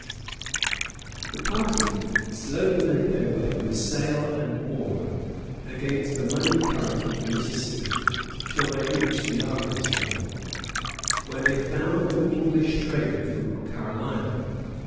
] The party slowly made their way, with sail and oar, against the muddy current of the Mississippi, till they reached the Arkansas, where they found an English trader from Carolina.